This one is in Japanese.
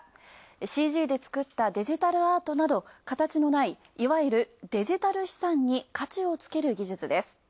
ＣＧで作ったデジタルアートなど形のない、いわゆるデジタル資産に価値をつける技術です。